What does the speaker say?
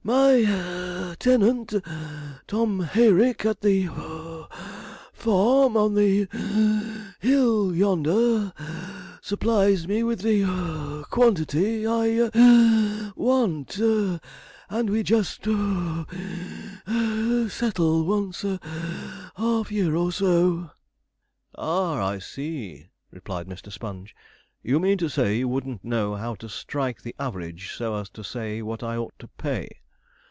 My (wheeze) tenant, Tom Hayrick, at the (puff) farm on the (wheeze) hill yonder, supplies me with the (puff) quantity I (wheeze) want, and we just (puff, wheeze, gasp) settle once a (puff) half year, or so.' 'Ah, I see,' replied Mr. Sponge; 'you mean to say you wouldn't know how to strike the average so as to say what I ought to pay.'